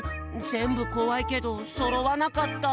ぜんぶこわいけどそろわなかった。